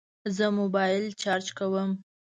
زه موبایل چارج کوم